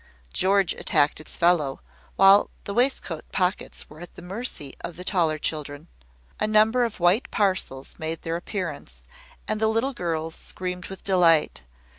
George attacked its fellow, while the waistcoat pockets were at the mercy of the taller children. A number of white parcels made their appearance, and the little girls screamed with delight.